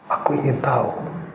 aku ingin tahu